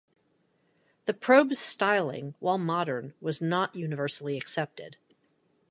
The Probe's styling, while modern, was not universally accepted.